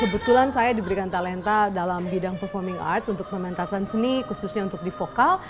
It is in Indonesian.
kebetulan saya diberikan talenta dalam bidang performing arts untuk pementasan seni khususnya untuk di vokal